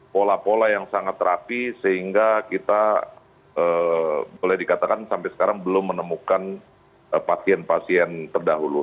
pola pola yang sangat rapi sehingga kita boleh dikatakan sampai sekarang belum menemukan pasien pasien terdahulu